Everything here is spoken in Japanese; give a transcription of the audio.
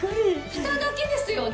着ただけですよね？